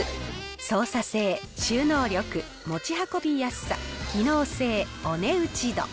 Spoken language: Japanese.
操作性、収納力、持ち運びやすさ、機能性、お値打ち度。